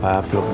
yang lebih cool